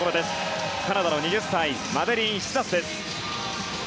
カナダの２０歳マデリーン・シザス。